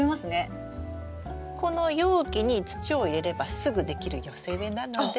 この容器に土を入れればすぐできる寄せ植えなので。